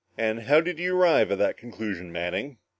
"And how did you arrive at this conclusion, Manning?"